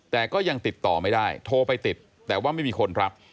แต่ก็ยังติดต่อไม่ได้โทรไปติดแต่ว่าไม่มีคนรับ